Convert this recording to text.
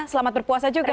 selamat berpuasa juga